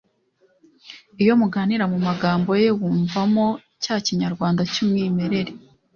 Iyo muganira mu magambo ye wumvamo cya Kinyarwanda cy'umwimerere